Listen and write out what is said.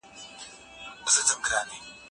پلار وویل چي باور اړین دی.